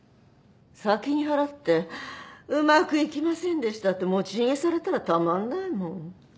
先に払ってうまくいきませんでしたって持ち逃げされたらたまんないもん。